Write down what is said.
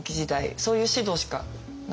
そういう指導しかなくって。